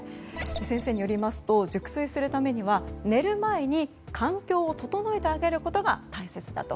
先生によりますと熟睡するためには寝る前に環境を整えてあげることが大切だと。